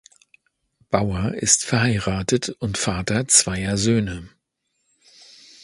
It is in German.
Bauer ist verheiratet und Vater zweier Söhne.